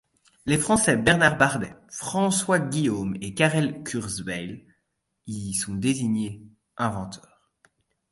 Les Français Bernard Badet, François Guillaume et Karel Kurzweil y sont désignés inventeurs.